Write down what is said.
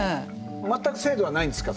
全く制度はないんですか？